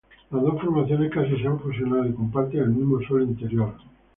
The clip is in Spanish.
Las dos formaciones casi se han fusionado, y comparten el mismo suelo interior.